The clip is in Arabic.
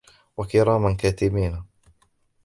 كِرَامًا كَاتِبِينَ